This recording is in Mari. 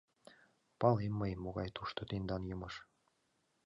— Палем мый, могай тушто тендан емыж.